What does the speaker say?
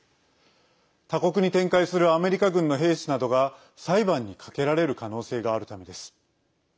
他国に展開するアメリカ軍の兵士などが裁判にかけられる可能性があるためです。